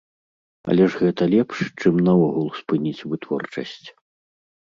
Але ж гэта лепш, чым наогул спыніць вытворчасць.